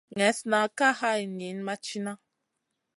Neslna ka hay niyn ma tìna.